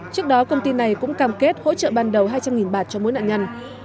trước đó công ty này cũng cam kết hỗ trợ ban đầu hai trăm linh bạt cho mỗi nạn nhân